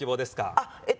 あっえっと